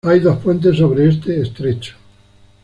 Hay dos puentes sobre este estrecho.